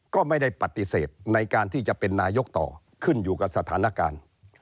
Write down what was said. ก็ไม่ได้ปฏิเสธในการที่จะเป็นนายกต่อขึ้นอยู่กับสถานการณ์